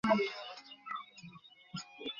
আপনি চান এখন আমরা গিয়ে ওদের আক্রমণ করি?